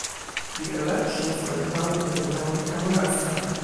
The elections were held in the town of Kamouraska.